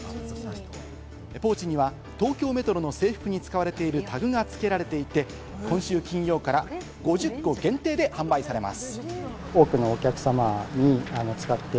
ポーチには東京メトロの制服に使われているタグが付けられていて今週金曜から５０個限定で販売されます。